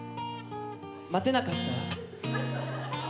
「待てなかった？」